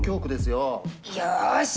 よし！